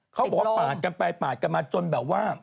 เขาบอกว่าปาดกลับมาจนแบบว่า